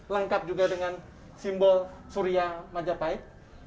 lengkap juga dengan simbol surya majapahit